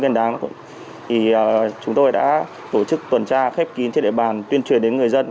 nguyên đáng chúng tôi đã tổ chức tuần tra khép kín trên địa bàn tuyên truyền đến người dân